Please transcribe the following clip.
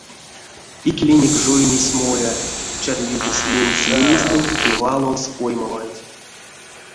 Икеленек жойнесь моря: чадыведесь менсь лейстэнть ды валовсь поймаванть.